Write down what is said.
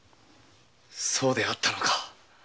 そうであったか。